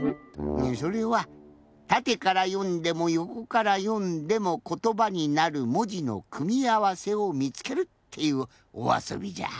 それはたてからよんでもよこからよんでもことばになるもじのくみあわせをみつけるっていうおあそびじゃ。